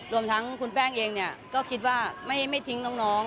รวมทั้งคุณแป้งเองเนี่ยก็คิดว่าไม่ทิ้งน้อง